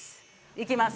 いきます。